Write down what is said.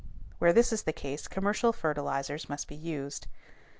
Where this is the case commercial fertilizers must be used.